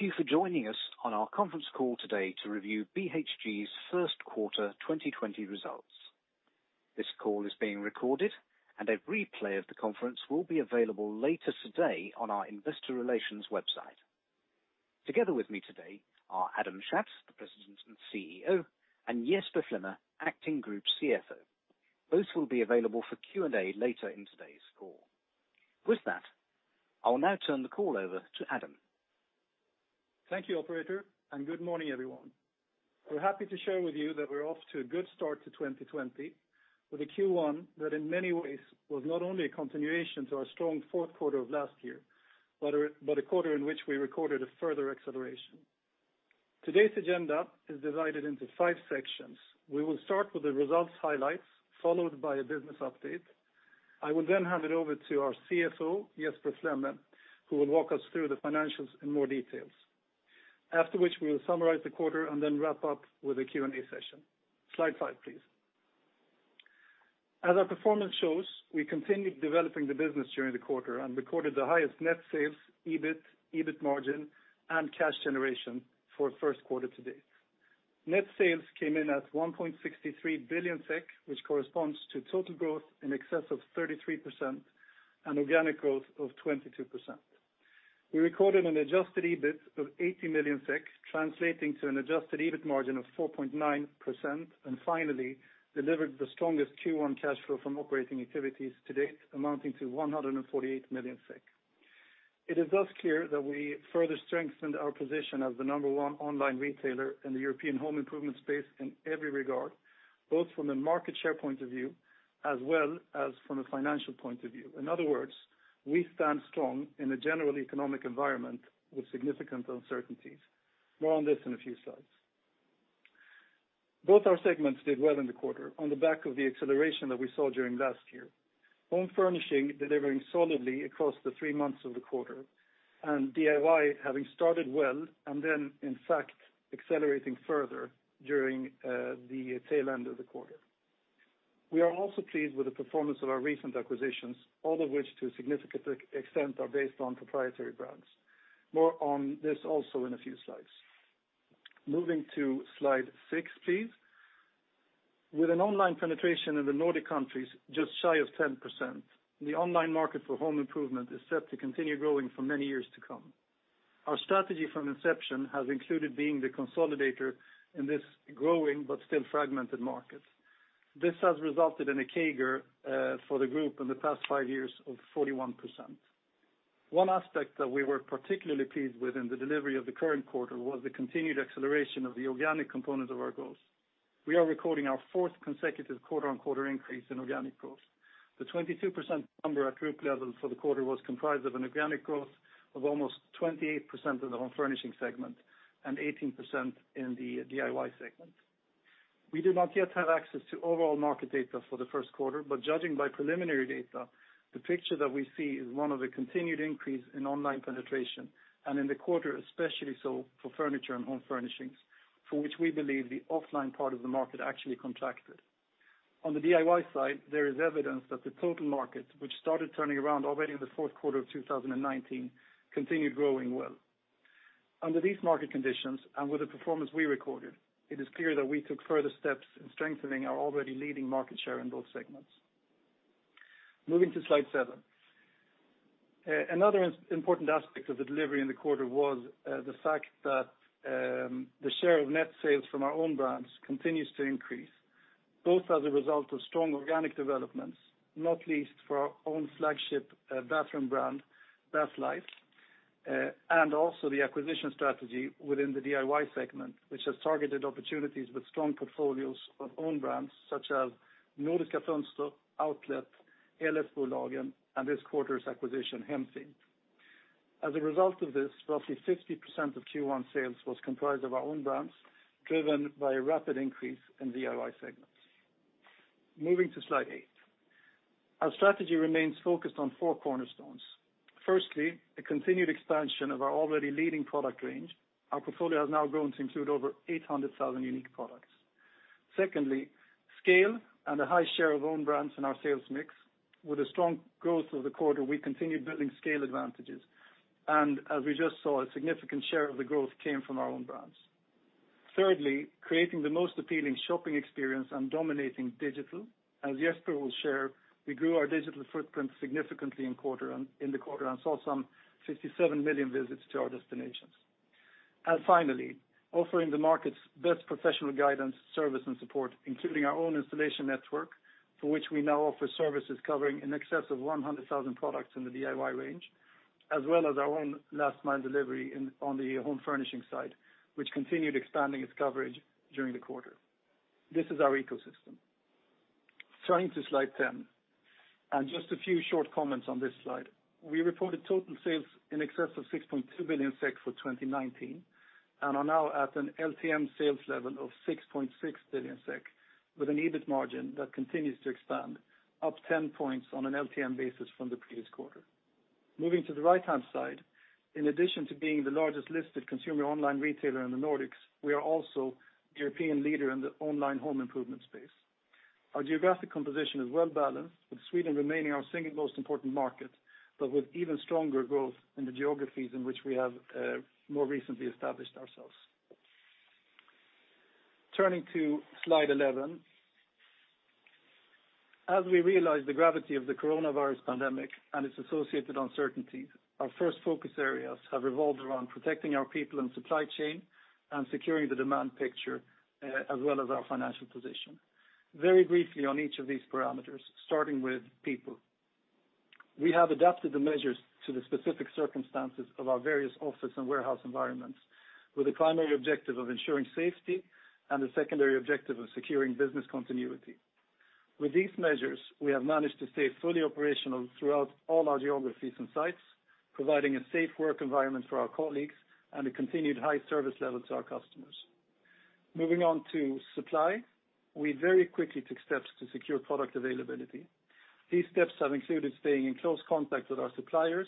Thank you for joining us on our conference call today to review BHG's First Quarter 2020 Results. This call is being recorded, and a replay of the conference will be available later today on our investor relations website. Together with me today are Adam Schatz, the President and CEO, and Jesper Flemme, Acting Group CFO. Both will be available for Q&A later in today's call. With that, I'll now turn the call over to Adam. Thank you, Operator, and good morning, everyone. We're happy to share with you that we're off to a good start to 2020, with a Q1 that in many ways was not only a continuation to our strong fourth quarter of last year, but a quarter in which we recorded a further acceleration. Today's agenda is divided into five sections. We will start with the results highlights, followed by a business update. I will then hand it over to our CFO, Jesper Flemme, who will walk us through the financials in more details, after which we will summarize the quarter and then wrap up with a Q&A session. Slide 5, please. As our performance shows, we continued developing the business during the quarter and recorded the highest net sales, EBIT, EBIT margin, and cash generation for the first quarter to date. Net sales came in at 1.63 billion SEK, which corresponds to total growth in excess of 33% and organic growth of 22%. We recorded an adjusted EBIT of 80 million SEK, translating to an adjusted EBIT margin of 4.9%, and finally delivered the strongest Q1 cash flow from operating activities to date, amounting to 148 million. It is thus clear that we further strengthened our position as the number one online retailer in the European home improvement space in every regard, both from a market share point of view as well as from a financial point of view. In other words, we stand strong in a general economic environment with significant uncertainties. More on this in a few slides. Both our segments did well in the quarter on the back of the acceleration that we saw during last year, Home Furnishing delivering solidly across the three months of the quarter, and DIY having started well and then, in fact, accelerating further during the tail end of the quarter. We are also pleased with the performance of our recent acquisitions, all of which to a significant extent are based on proprietary brands. More on this also in a few slides. Moving to slide 6, please. With an online penetration in the Nordic countries just shy of 10%, the online market for home improvement is set to continue growing for many years to come. Our strategy from inception has included being the consolidator in this growing but still fragmented market. This has resulted in a CAGR for the group in the past five years of 41%. One aspect that we were particularly pleased with in the delivery of the current quarter was the continued acceleration of the organic component of our growth. We are recording our fourth consecutive quarter-on-quarter increase in organic growth. The 22% number at group level for the quarter was comprised of an organic growth of almost 28% in the Home Furnishing segment and 18% in the DIY segment. We do not yet have access to overall market data for the first quarter, but judging by preliminary data, the picture that we see is one of a continued increase in online penetration, and in the quarter especially so for furniture and Home Furnishings, for which we believe the offline part of the market actually contracted. On the DIY side, there is evidence that the total market, which started turning around already in the fourth quarter of 2019, continued growing well. Under these market conditions and with the performance we recorded, it is clear that we took further steps in strengthening our already leading market share in both segments. Moving to slide 7. Another important aspect of the delivery in the quarter was the fact that the share of net sales from our own brands continues to increase, both as a result of strong organic developments, not least for our own flagship bathroom brand, Bathlife, and also the acquisition strategy within the DIY segment, which has targeted opportunities with strong portfolios of own brands such as Nordiska Fönster, Outl1, LS Bolagen, and this quarter's acquisition, Hemfint. As a result of this, roughly 50% of Q1 sales was comprised of our own brands, driven by a rapid increase in DIY segments. Moving to slide 8. Our strategy remains focused on four cornerstones. Firstly, a continued expansion of our already leading product range. Our portfolio has now grown to include over 800,000 unique products. Secondly, scale and a high share of own brands in our sales mix. With the strong growth of the quarter, we continued building scale advantages, and as we just saw, a significant share of the growth came from our own brands. Thirdly, creating the most appealing shopping experience and dominating digital. As Jesper will share, we grew our digital footprint significantly in the quarter and saw some 57 million visits to our destinations. And finally, offering the market's best professional guidance, service, and support, including our own installation network, for which we now offer services covering in excess of 100,000 products in the DIY range, as well as our own last-mile delivery on the Home Furnishing side, which continued expanding its coverage during the quarter. This is our ecosystem. Turning to slide 10 and just a few short comments on this slide. We reported total sales in excess of 6.2 billion SEK for 2019 and are now at an LTM sales level of 6.6 billion SEK, with an EBIT margin that continues to expand, up 10 points on an LTM basis from the previous quarter. Moving to the right-hand side, in addition to being the largest listed consumer online retailer in the Nordics, we are also the European leader in the online home improvement space. Our geographic composition is well balanced, with Sweden remaining our single most important market, but with even stronger growth in the geographies in which we have more recently established ourselves. Turning to slide 11. As we realize the gravity of the coronavirus pandemic and its associated uncertainties, our first focus areas have revolved around protecting our people and supply chain and securing the demand picture, as well as our financial position. Very briefly on each of these parameters, starting with people. We have adapted the measures to the specific circumstances of our various office and warehouse environments, with a primary objective of ensuring safety and a secondary objective of securing business continuity. With these measures, we have managed to stay fully operational throughout all our geographies and sites, providing a safe work environment for our colleagues and a continued high service level to our customers. Moving on to supply, we very quickly took steps to secure product availability. These steps have included staying in close contact with our suppliers,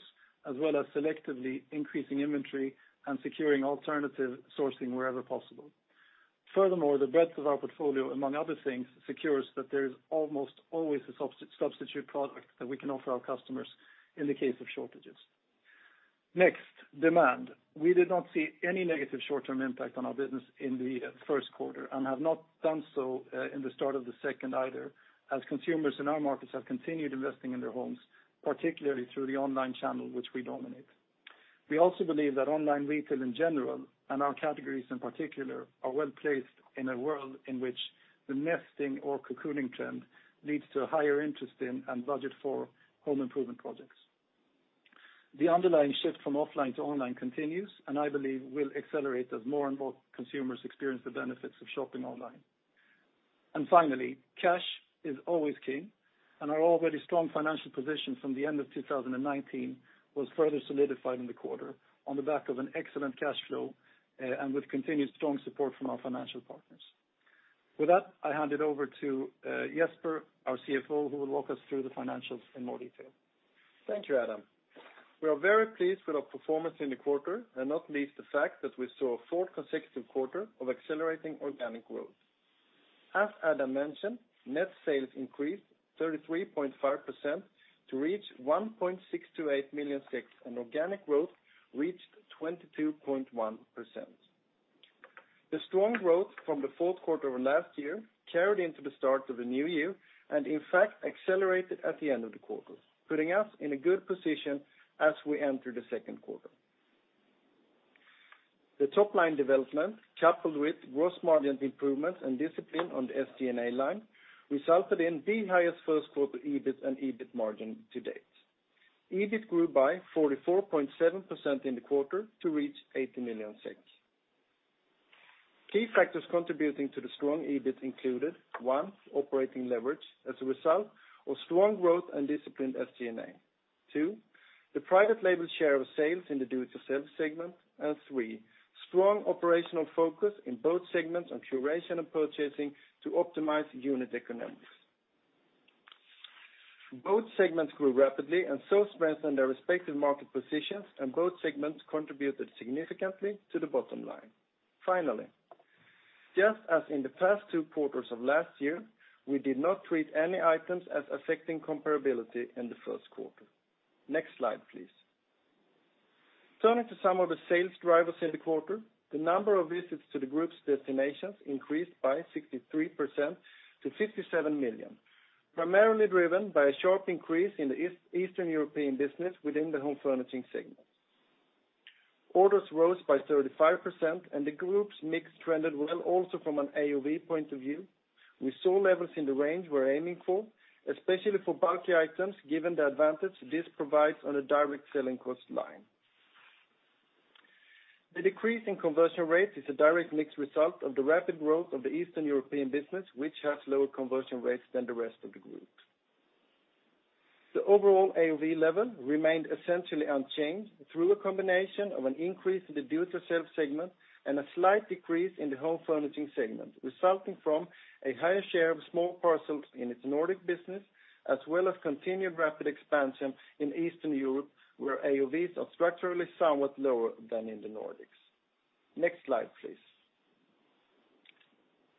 as well as selectively increasing inventory and securing alternative sourcing wherever possible. Furthermore, the breadth of our portfolio, among other things, secures that there is almost always a substitute product that we can offer our customers in the case of shortages. Next, demand. We did not see any negative short-term impact on our business in the first quarter and have not done so in the start of the second quarter either, as consumers in our markets have continued investing in their homes, particularly through the online channel which we dominate. We also believe that online retail in general, and our categories in particular, are well placed in a world in which the nesting or cocooning trend leads to a higher interest in and budget for home improvement projects. The underlying shift from offline to online continues, and I believe will accelerate as more and more consumers experience the benefits of shopping online. Finally, cash is always king, and our already strong financial position from the end of 2019 was further solidified in the quarter on the back of an excellent cash flow and with continued strong support from our financial partners. With that, I hand it over to Jesper, our CFO, who will walk us through the financials in more detail. Thank you, Adam. We are very pleased with our performance in the quarter, and not least the fact that we saw a fourth consecutive quarter of accelerating organic growth. As Adam mentioned, net sales increased 33.5% to reach 1.628 million, and organic growth reached 22.1%. The strong growth from the fourth quarter of last year carried into the start of the new year and, in fact, accelerated at the end of the quarter, putting us in a good position as we enter the second quarter. The top-line development, coupled with gross margin improvements and discipline on the SG&A line, resulted in the highest first-quarter EBIT and EBIT margin to date. EBIT grew by 44.7% in the quarter to reach 80 million. Key factors contributing to the strong EBIT included: one, operating leverage, as a result of strong growth and disciplined SG&A. Two, the private label share of sales in the Do-It-Yourself segment. And three, strong operational focus in both segments on curation and purchasing to optimize unit economics. Both segments grew rapidly and so strengthened their respective market positions, and both segments contributed significantly to the bottom line. Finally, just as in the past two quarters of last year, we did not treat any items as affecting comparability in the first quarter. Next slide, please. Turning to some of the sales drivers in the quarter, the number of visits to the group's destinations increased by 63% to 57 million, primarily driven by a sharp increase in the Eastern European business within the Home Furnishing segment. Orders rose by 35%, and the group's mix trended well also from an AOV point of view. We saw levels in the range we're aiming for, especially for bulky items, given the advantage this provides on a direct selling cost line. The decrease in conversion rates is a direct mixed result of the rapid growth of the Eastern European business, which has lower conversion rates than the rest of the group. The overall AOV level remained essentially unchanged through a combination of an increase in the Do-It-Yourself segment and a slight decrease in the Home Furnishing segment, resulting from a higher share of small parcels in its Nordic business, as well as continued rapid expansion in Eastern Europe, where AOVs are structurally somewhat lower than in the Nordics. Next slide, please.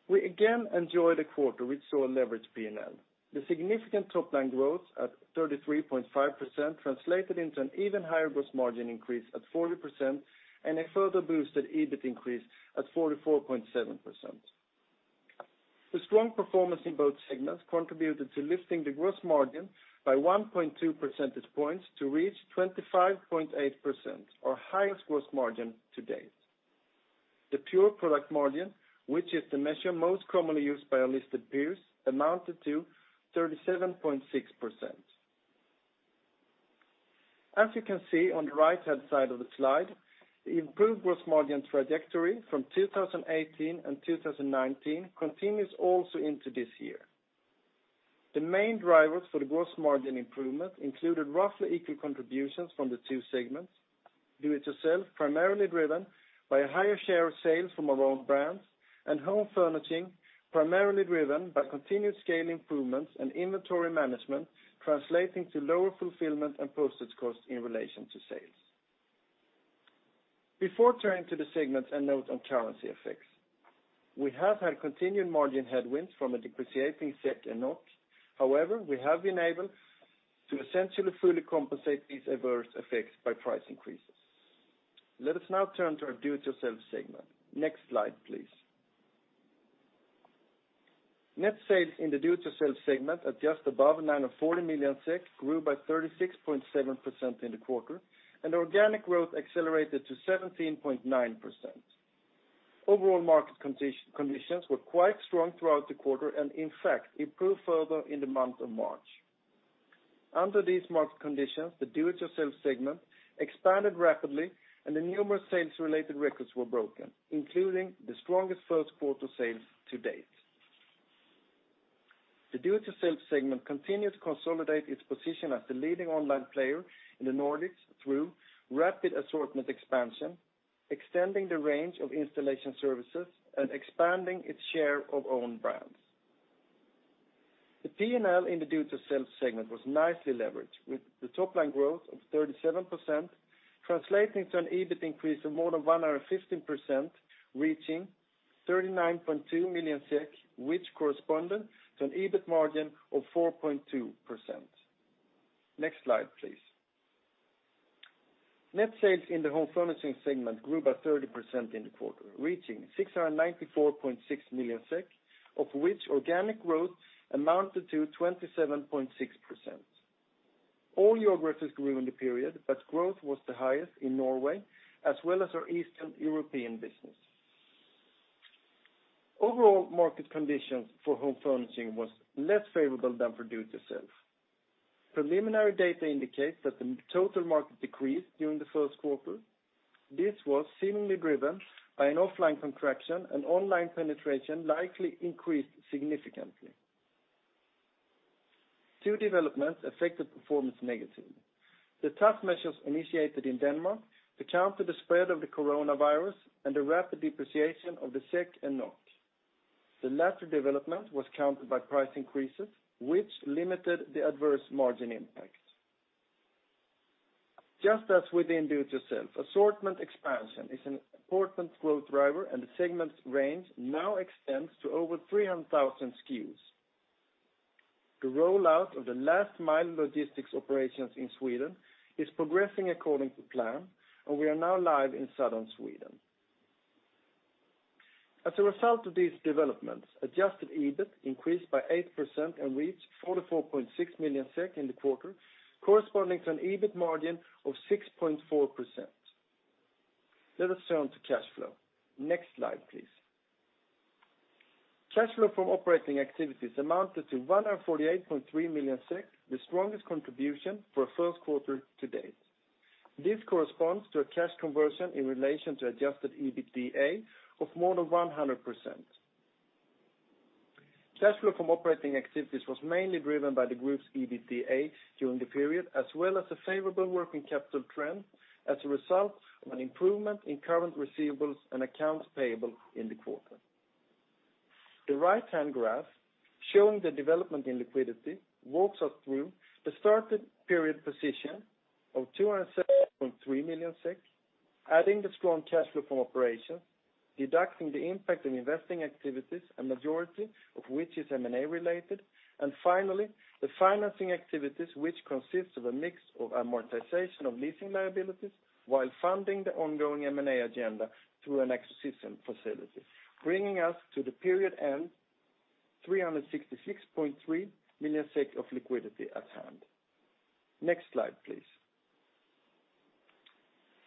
We again enjoyed a quarter which saw a leverage P&L. The significant top-line growth at 33.5% translated into an even higher gross margin increase at 40% and a further boosted EBIT increase at 44.7%. The strong performance in both segments contributed to lifting the gross margin by 1.2 percentage points to reach 25.8%, our highest gross margin to date. The pure product margin, which is the measure most commonly used by our listed peers, amounted to 37.6%. As you can see on the right-hand side of the slide, the improved gross margin trajectory from 2018 and 2019 continues also into this year. The main drivers for the gross margin improvement included roughly equal contributions from the two segments: Do-It-Yourself, primarily driven by a higher share of sales from our own brands, and Home Furnishing, primarily driven by continued scale improvements and inventory management, translating to lower fulfillment and postage costs in relation to sales. Before turning to the segments and note on currency effects, we have had continued margin headwinds from a depreciating SEK and NOK. However, we have been able to essentially fully compensate these adverse effects by price increases. Let us now turn to our Do-It-Yourself segment. Next slide, please. Net sales in the Do-It-Yourself segment at just above a line of 40 million SEK grew by 36.7% in the quarter, and organic growth accelerated to 17.9%. Overall market conditions were quite strong throughout the quarter and, in fact, improved further in the month of March. Under these market conditions, the Do-It-Yourself segment expanded rapidly, and the numerous sales-related records were broken, including the strongest first-quarter sales to date. The Do-It-Yourself segment continued to consolidate its position as the leading online player in the Nordics through rapid assortment expansion, extending the range of installation services and expanding its share of own brands. The P&L in the Do-It-Yourself segment was nicely leveraged, with the top-line growth of 37% translating to an EBIT increase of more than 115%, reaching 39.2 million SEK, which corresponded to an EBIT margin of 4.2%. Next slide, please. Net sales in the Home Furnishing segment grew by 30% in the quarter, reaching 694.6 million SEK, of which organic growth amounted to 27.6%. All geographies grew in the period, but growth was the highest in Norway, as well as our Eastern European business. Overall market conditions for Home Furnishing were less favorable than for Do-It-Yourself. Preliminary data indicate that the total market decreased during the first quarter. This was seemingly driven by an offline contraction, and online penetration likely increased significantly. Two developments affected performance negatively. The tough measures initiated in Denmark accounted for the spread of the coronavirus and the rapid depreciation of the SEK and NOK. The latter development was countered by price increases, which limited the adverse margin impact. Just as within Do-it-yourself, assortment expansion is an important growth driver, and the segment's range now extends to over 300,000 SKUs. The rollout of the last-mile logistics operations in Sweden is progressing according to plan, and we are now live in Southern Sweden. As a result of these developments, adjusted EBIT increased by 8% and reached 44.6 million SEK in the quarter, corresponding to an EBIT margin of 6.4%. Let us turn to cash flow. Next slide, please. Cash flow from operating activities amounted to 148.3 million SEK SEK, the strongest contribution for a first quarter to date. This corresponds to a cash conversion in relation to adjusted EBITDA of more than 100%. Cash flow from operating activities was mainly driven by the group's EBITDA during the period, as well as a favorable working capital trend, as a result of an improvement in current receivables and accounts payable in the quarter. The right-hand graph showing the development in liquidity walks us through the starting period position of 270.3 million SEK, adding the strong cash flow from operations, deducting the impact of investing activities, a majority of which is M&A related, and finally, the financing activities, which consist of a mix of amortization of leasing liabilities while funding the ongoing M&A agenda through an acquisition facility, bringing us to the period end, 366.3 million SEK of liquidity at hand. Next slide, please.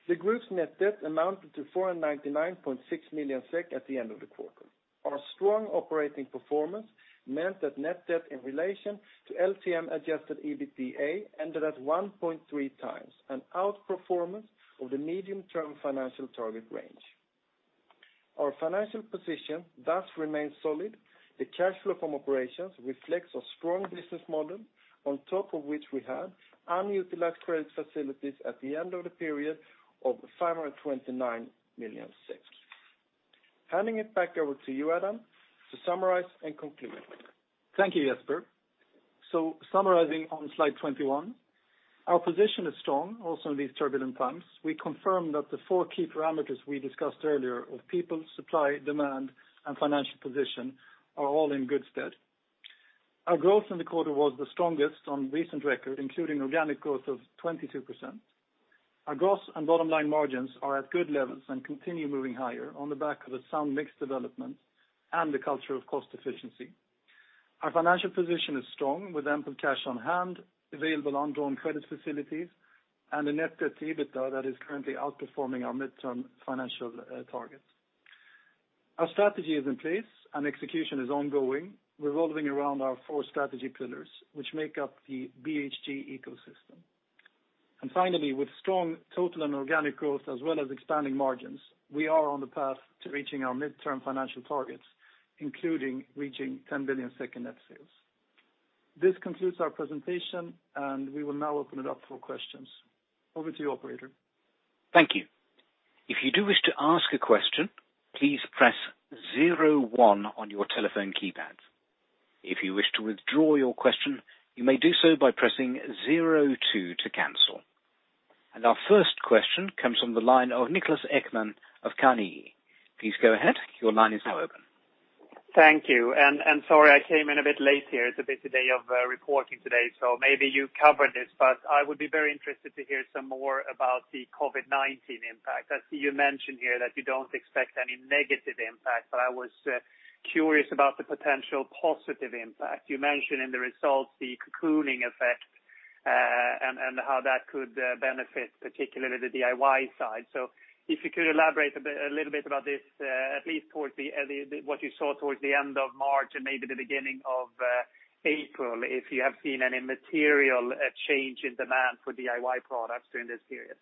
The group's net debt amounted to 499.6 million SEK at the end of the quarter. Our strong operating performance meant that net debt in relation to LTM adjusted EBITDA ended at 1.3 times, an outperformance of the medium-term financial target range. Our financial position thus remained solid. The cash flow from operations reflects a strong business model, on top of which we had unutilized credit facilities at the end of the period of 529 million. Handing it back over to you, Adam, to summarize and conclude. Thank you, Jesper. So summarizing on slide 21, our position is strong also in these turbulent times. We confirm that the four key parameters we discussed earlier of people, supply, demand, and financial position are all in good stead. Our growth in the quarter was the strongest on recent record, including organic growth of 22%. Our gross and bottom line margins are at good levels and continue moving higher on the back of a sound mixed development and the culture of cost efficiency. Our financial position is strong, with ample cash on hand available on drawn credit facilities and a net debt to EBITDA that is currently outperforming our midterm financial target. Our strategy is in place, and execution is ongoing, revolving around our four strategy pillars, which make up the BHG ecosystem, and finally, with strong total and organic growth, as well as expanding margins, we are on the path to reaching our midterm financial targets, including reaching 10 billion in net sales. This concludes our presentation, and we will now open it up for questions. Over to you, Operator. Thank you. If you do wish to ask a question, please press 01 on your telephone keypad. If you wish to withdraw your question, you may do so by pressing 02 to cancel. Our first question comes from the line of Niklas Ekman of Carnegie. Please go ahead. Your line is now open. Thank you. And sorry, I came in a bit late here. It's a busy day of reporting today, so maybe you covered this, but I would be very interested to hear some more about the COVID-19 impact. I see you mentioned here that you don't expect any negative impact, but I was curious about the potential positive impact. You mentioned in the results the cocooning effect and how that could benefit, particularly the DIY side. So if you could elaborate a little bit about this, at least towards what you saw towards the end of March and maybe the beginning of April, if you have seen any material change in demand for DIY products during this period.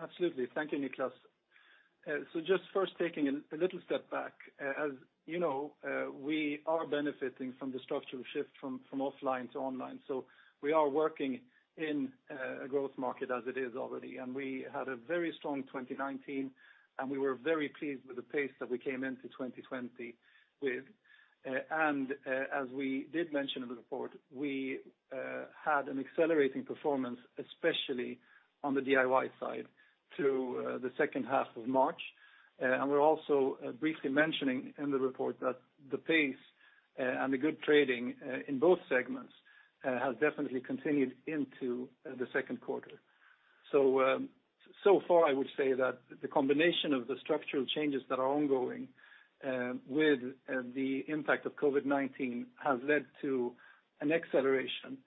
Absolutely. Thank you, Niklas. So just first taking a little step back, as you know, we are benefiting from the structural shift from offline to online. So we are working in a growth market as it is already, and we had a very strong 2019, and we were very pleased with the pace that we came into 2020 with. And as we did mention in the report, we had an accelerating performance, especially on the DIY side, through the second half of March. And we're also briefly mentioning in the report that the pace and the good trading in both segments has definitely continued into the second quarter. So far, I would say that the combination of the structural changes that are ongoing with the impact of COVID-19 has led to an acceleration,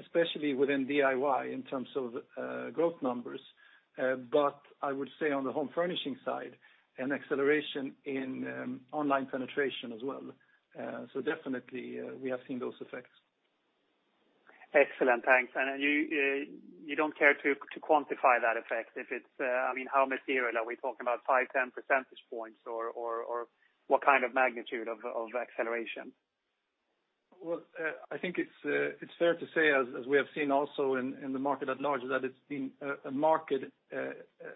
especially within DIY in terms of growth numbers. But I would say on the Home Furnishing side, an acceleration in online penetration as well. So definitely, we have seen those effects. Excellent. Thanks. And you don't care to quantify that effect. I mean, how material are we talking about? Five, 10 percentage points, or what kind of magnitude of acceleration? I think it's fair to say, as we have seen also in the market at large, that it's been a market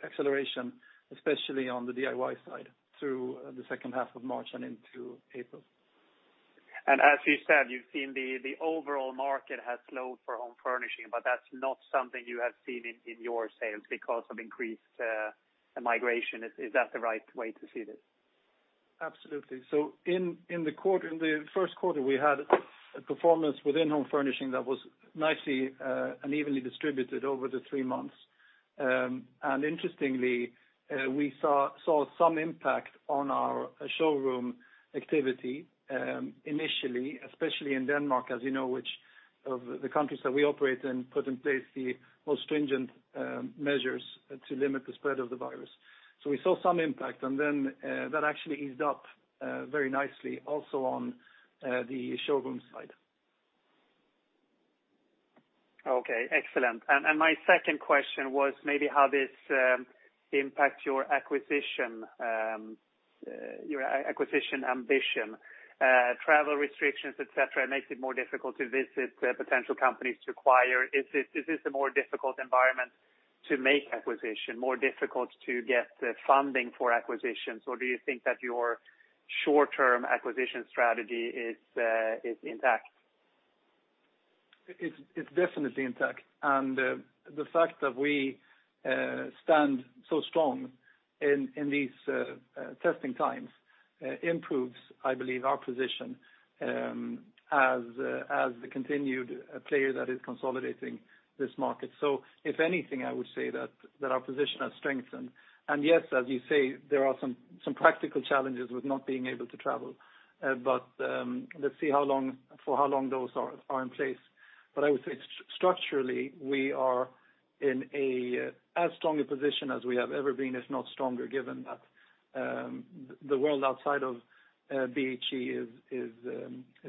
acceleration, especially on the DIY side, through the second half of March and into April. As you said, you've seen the overall market has slowed for Home Furnishing, but that's not something you have seen in your sales because of increased migration. Is that the right way to see this? Absolutely. So in the first quarter, we had a performance within Home Furnishing that was nicely and evenly distributed over the three months. And interestingly, we saw some impact on our showroom activity initially, especially in Denmark, as you know, which of the countries that we operate in put in place the most stringent measures to limit the spread of the virus. So we saw some impact, and then that actually eased up very nicely also on the showroom side. Okay. Excellent. And my second question was maybe how this impacts your acquisition ambition. Travel restrictions, etc., make it more difficult to visit potential companies to acquire. Is this a more difficult environment to make acquisition, more difficult to get funding for acquisitions, or do you think that your short-term acquisition strategy is intact? It's definitely intact. And the fact that we stand so strong in these testing times improves, I believe, our position as the continued player that is consolidating this market. So if anything, I would say that our position has strengthened. And yes, as you say, there are some practical challenges with not being able to travel, but let's see for how long those are in place. But I would say structurally, we are in as strong a position as we have ever been, if not stronger, given that the world outside of BHG is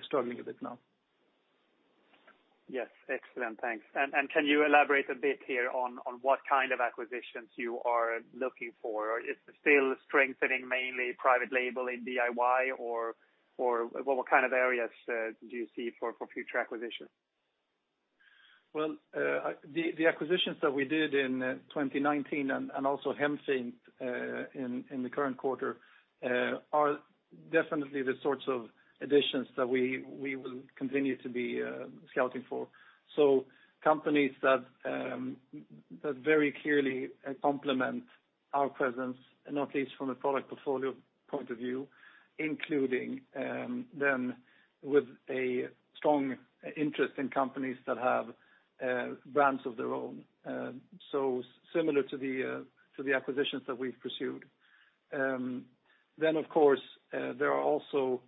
struggling a bit now. Yes. Excellent. Thanks. And can you elaborate a bit here on what kind of acquisitions you are looking for? Is it still strengthening mainly private label in DIY, or what kind of areas do you see for future acquisition? The acquisitions that we did in 2019 and also Hemfint in the current quarter are definitely the sorts of additions that we will continue to be scouting for. Companies that very clearly complement our presence, not least from a product portfolio point of view, including then with a strong interest in companies that have brands of their own. Similar to the acquisitions that we've pursued. Of course, there are also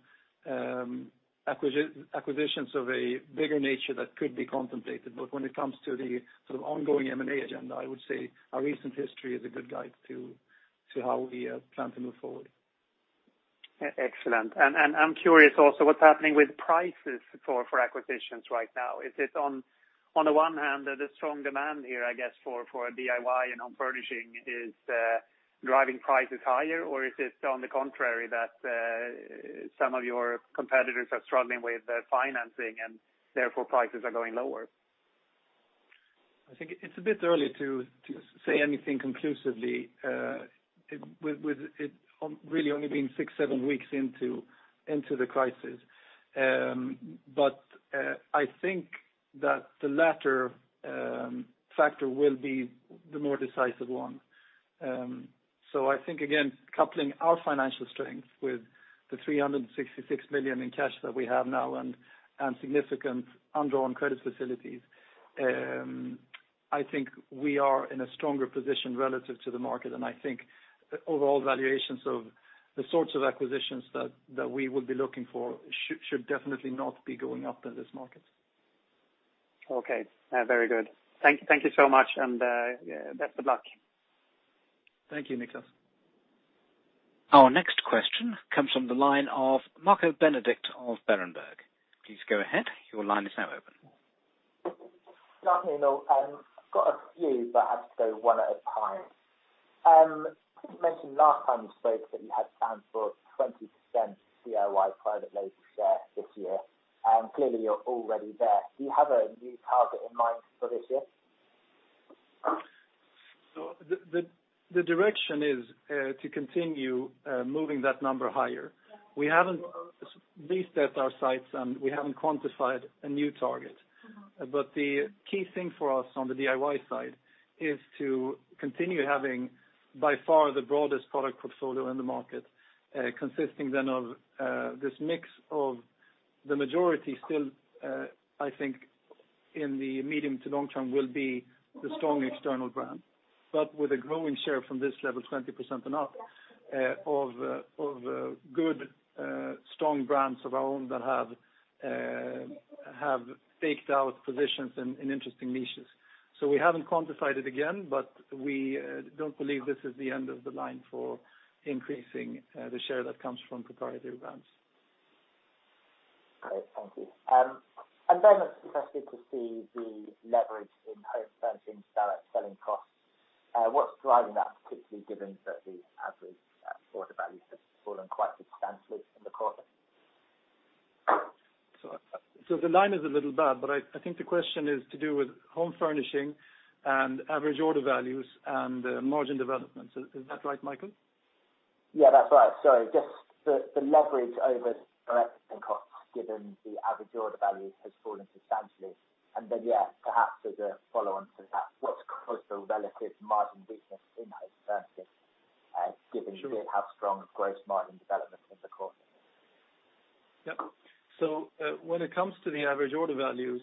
acquisitions of a bigger nature that could be contemplated. When it comes to the sort of ongoing M&A agenda, I would say our recent history is a good guide to how we plan to move forward. Excellent, and I'm curious also what's happening with prices for acquisitions right now. Is it on the one hand that the strong demand here, I guess, for DIY and Home Furnishing is driving prices higher, or is it on the contrary that some of your competitors are struggling with financing and therefore prices are going lower? I think it's a bit early to say anything conclusively, with it really only being six, seven weeks into the crisis. But I think that the latter factor will be the more decisive one. So I think, again, coupling our financial strength with the 366 million in cash that we have now and significant undrawn credit facilities, I think we are in a stronger position relative to the market. And I think overall valuations of the sorts of acquisitions that we will be looking for should definitely not be going up in this market. Okay. Very good. Thank you so much, and best of luck. Thank you, Niklas. Our next question comes from the line of Michael Benedict of Berenberg. Please go ahead. Your line is now open. Good afternoon. I've got a few, but I have to go one at a time. You mentioned last time we spoke that you had planned for 20% DIY private label share this year. Clearly, you're already there. Do you have a new target in mind for this year? The direction is to continue moving that number higher. We haven't reset our sights and we haven't quantified a new target, but the key thing for us on the DIY side is to continue having, by far, the broadest product portfolio in the market, consisting then of this mix of the majority still, I think, in the medium to long term will be the strong external brand, but with a growing share from this level, 20% and up, of good, strong brands of our own that have carved out positions in interesting niches, so we haven't quantified it again, but we don't believe this is the end of the line for increasing the share that comes from proprietary brands. Great. Thank you. And then I'm interested to see the leverage in Home Furnishing selling costs. What's driving that, particularly given that the average order values have fallen quite substantially in the quarter? So the line is a little bad, but I think the question is to do with Home Furnishing and average order values and margin development. Is that right, Michael? Yeah, that's right. So just the leverage over direct costs, given the average order values, has fallen substantially. And then, yeah, perhaps as a follow-on to that, what's caused the relative margin weakness in Home Furnishing, given how strong gross margin development in the quarter? Yep. So when it comes to the average order values,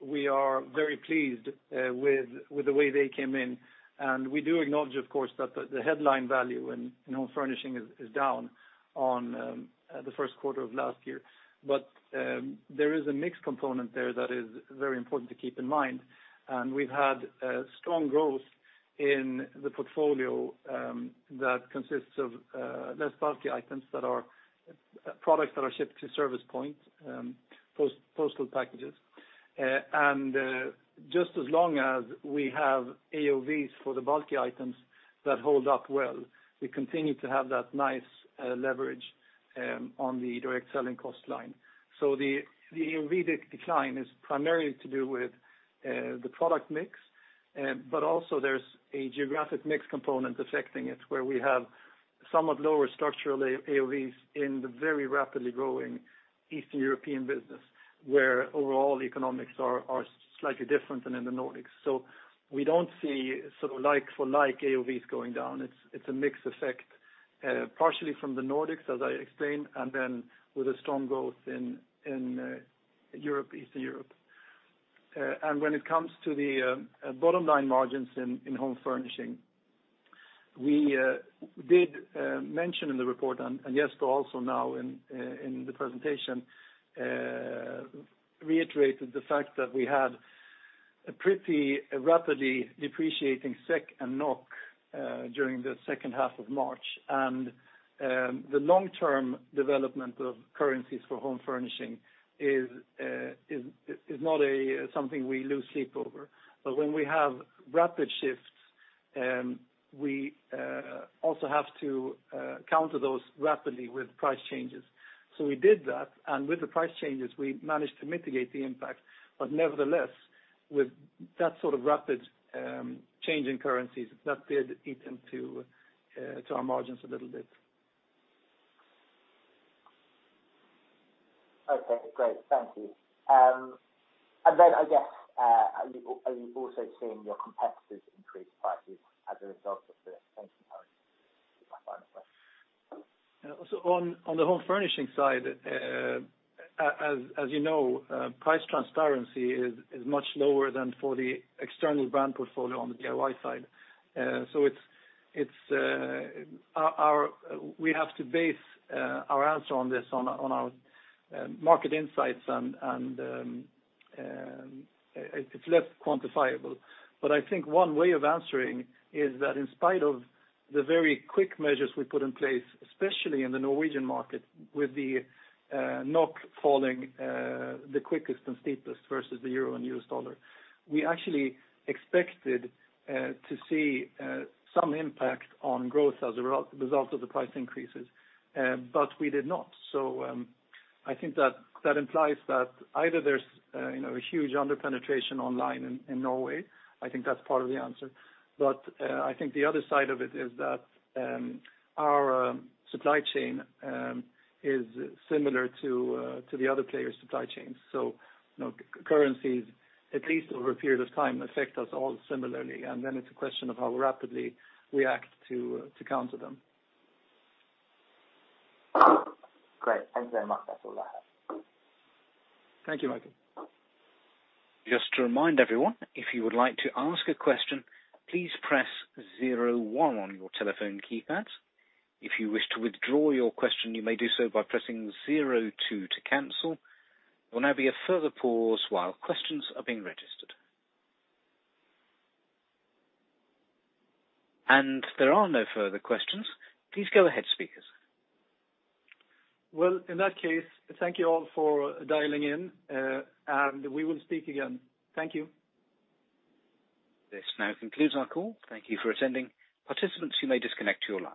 we are very pleased with the way they came in. And we do acknowledge, of course, that the headline value in Home Furnishing is down on the first quarter of last year. But there is a mixed component there that is very important to keep in mind. And we've had strong growth in the portfolio that consists of less bulky items that are products that are shipped to service point, postal packages. And just as long as we have AOVs for the bulky items that hold up well, we continue to have that nice leverage on the direct selling cost line. The AOV decline is primarily to do with the product mix, but also there's a geographic mix component affecting it, where we have somewhat lower structural AOVs in the very rapidly growing Eastern European business, where overall economics are slightly different than in the Nordics. We don't see sort of like-for-like AOVs going down. It's a mixed effect, partially from the Nordics, as I explained, and then with a strong growth in Europe, Eastern Europe. When it comes to the bottom line margins in Home Furnishing, we did mention in the report, and Jesper also now in the presentation reiterated the fact that we had a pretty rapidly depreciating SEK and NOK during the second half of March. The long-term development of currencies for Home Furnishing is not something we lose sleep over. But when we have rapid shifts, we also have to counter those rapidly with price changes. So we did that. And with the price changes, we managed to mitigate the impact. But nevertheless, with that sort of rapid change in currencies, that did eat into our margins a little bit. Okay. Great. Thank you, and then, I guess, are you also seeing your competitors increase prices as a result of the expansion? On the Home Furnishing side, as you know, price transparency is much lower than for the external brand portfolio on the DIY side. We have to base our answer on this on our market insights, and it's less quantifiable. But I think one way of answering is that in spite of the very quick measures we put in place, especially in the Norwegian market, with the NOK falling the quickest and steepest versus the euro and U.S. dollar, we actually expected to see some impact on growth as a result of the price increases, but we did not. So I think that implies that either there's a huge underpenetration online in Norway. I think that's part of the answer. But I think the other side of it is that our supply chain is similar to the other players' supply chains. So currencies, at least over a period of time, affect us all similarly. And then it's a question of how rapidly we act to counter them. Great. Thank you very much. That's all I have. Thank you, Michael. Just to remind everyone, if you would like to ask a question, please press 01 on your telephone keypad. If you wish to withdraw your question, you may do so by pressing 02 to cancel. There will now be a further pause while questions are being registered. And if there are no further questions, please go ahead, speakers. In that case, thank you all for dialing in, and we will speak again. Thank you. This now concludes our call. Thank you for attending. Participants, you may disconnect to your lines.